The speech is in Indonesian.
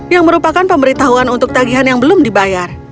yang merupakan pemberitahuan untuk tagihan yang belum dibayar